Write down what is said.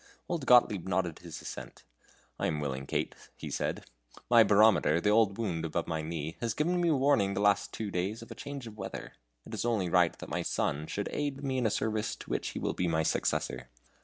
Old Gottlieb nodded his assent. "I am willing, Kate," he said. "My barometer, the old wound above my knee, has given me warning the last two days of a change of weather. It is only right that my son should aid me in a service to which he will be my successor."